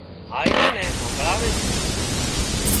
هاۯيئان نين همڀۯاوي سي